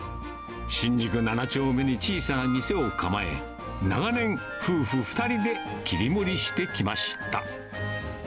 新宿７丁目に小さな店を構え、長年、夫婦２人で切り盛りしてきました。